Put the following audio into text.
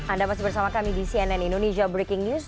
anda masih bersama kami di cnn indonesia breaking news